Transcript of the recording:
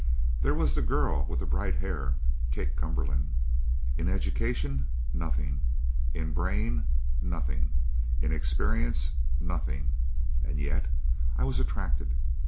There was the girl with the bright hair Kate Cumberland. In education, nothing; in brain, nothing; in experience, nothing; and yet I was attracted.